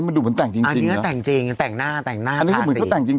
อันตรงจริงหรออันนี้แต่จริง